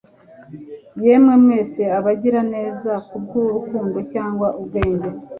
Yemwe mwese abagiraneza kubwurukundo cyangwa ubwenge